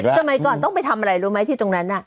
สมัยก่อนต้องไปทำอะไรรู้ไหมที่ตรงนั้น